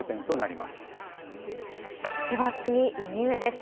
では次、右上です。